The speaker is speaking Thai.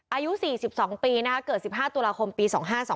อายุ๔๒ปีเกิด๑๕ตุลาคมปี๒๕๒